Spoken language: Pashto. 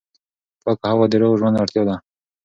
پاکه هوا د روغ ژوند اړتیا ده.